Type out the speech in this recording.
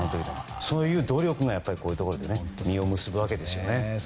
そういう努力がこういうところで実を結ぶわけですね。